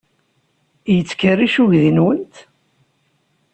Yettkerric uydi-nwent?